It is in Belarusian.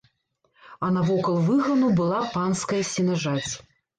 А навокал выгану была панская сенажаць.